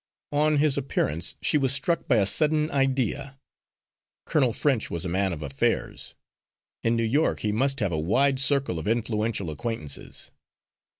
On his appearance, she was struck by a sudden idea. Colonel French was a man of affairs. In New York he must have a wide circle of influential acquaintances.